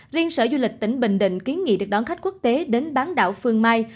riêng sở du lịch tỉnh bình định kiến nghị được đón khách quốc tế đến bán đảo phương mai